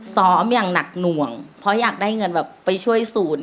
ซ้อมอย่างหนักหน่วงเพราะอยากได้เงินแบบไปช่วยศูนย์